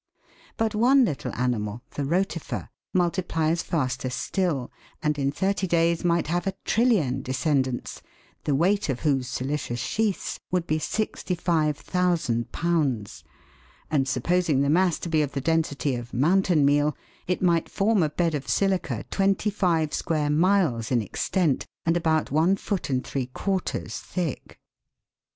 But one little animal, the Rotifer, multiplies faster still, and in thirty days might have a trillion descendants, the weight of whose silicious sheaths Fig. 32. would be 65,ooolbs. ; and supposing the mass to ROTIFER N be of the densit y f " mountain meal," it might form a bed of silica twenty five square miles in extent, and about one foot and three quarters thick.